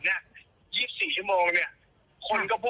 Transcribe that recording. ในช่วงระหว่างรอผล